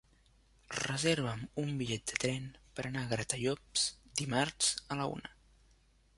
Reserva'm un bitllet de tren per anar a Gratallops dimarts a la una.